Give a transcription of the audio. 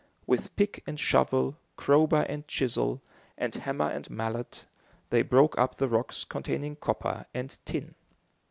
With pick and shovel, crowbar and chisel, and hammer and mallet, they broke up the rocks containing copper and tin.